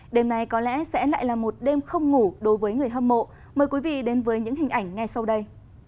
đêm nay có lẽ sẽ lại là một đêm không ngủ đối với người hâm mộ mời quý vị đến với những hình ảnh ngay sau đây